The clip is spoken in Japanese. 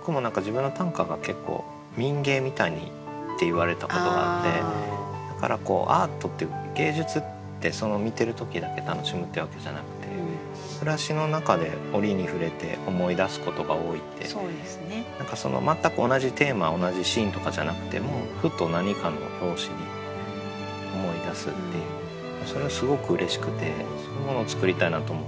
僕も自分の短歌が結構民藝みたいって言われたことがあってだからアートって芸術って見てる時だけ楽しむってわけじゃなくて全く同じテーマ同じシーンとかじゃなくてもふと何かの拍子に思い出すっていうそれはすごくうれしくてそういうものを作りたいなと思って。